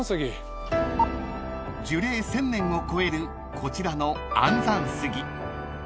［樹齢１，０００年を超えるこちらの安産杉］